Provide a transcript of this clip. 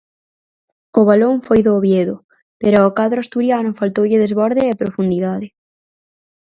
O balón foi do Oviedo, pero ao cadro asturiano faltoulle desborde e profundidade.